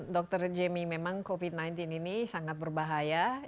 dokter jemmy memang covid sembilan belas ini sangat berbahaya